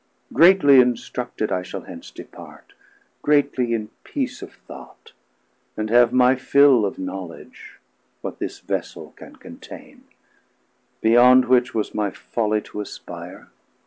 Greatly instructed I shall hence depart, Greatly in peace of thought, and have my fill Of knowledge, what this vessel can containe; Beyond which was my folly to aspire.